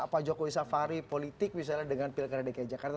pak jokowi safari politik misalnya dengan pilger rdk jakarta